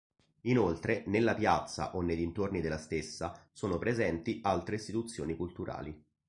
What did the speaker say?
Inoltre, nella piazza o nei dintorni della stessa, sono presenti altre istituzioni culturali.